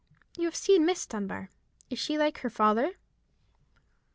"You have seen Miss Dunbar: is she like her father?"